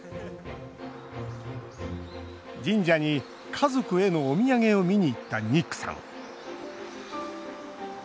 神社に家族へのお土産を見に行ったニックさん。